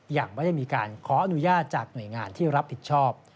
ยังไม่ได้มีการขออนุญาตจากหน่วยงานที่รับผิดชอบ